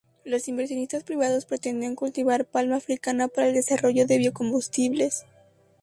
Los inversionistas privados pretendían cultivar Palma africana para el desarrollo de biocombustibles.